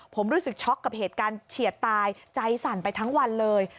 ผมรู้สึกช็อกกับเหตุการณ์เฉียดตายใจสั่นไปทั้งวันเลย